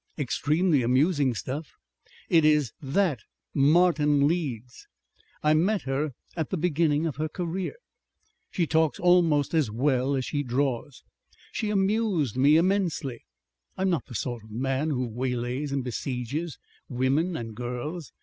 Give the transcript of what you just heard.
"Extremely amusing stuff." "It is that Martin Leeds. I met her at the beginning of her career. She talks almost as well as she draws. She amused me immensely. I'm not the sort of man who waylays and besieges women and girls.